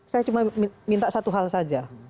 saya cuma minta satu hal saja